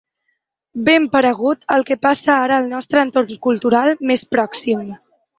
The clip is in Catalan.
Ben paregut al que passa ara al nostre entorn cultural més pròxim.